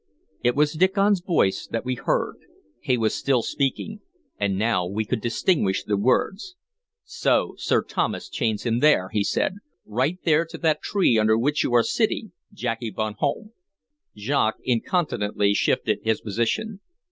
It was Diccon's voice that we had heard. He was still speaking, and now we could distinguish the words. "So Sir Thomas chains him there," he said, "right there to that tree under which you are sitting, Jacky Bonhomme." Jacques incontinently shifted his position.